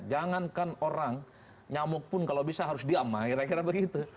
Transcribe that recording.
jangankan orang nyamuk pun kalau bisa harus diam akhir akhir begitu